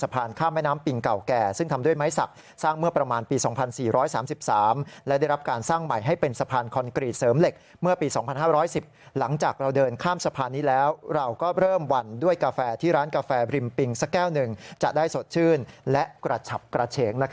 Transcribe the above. ที่ร้านกาแฟบริมปิงสักแก้วหนึ่งจะได้สดชื่นและกระฉับกระเฉง